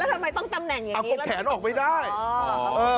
ทำไมต้องตำแหน่งอย่างเงี้เอากดแขนออกไม่ได้อ่าเออ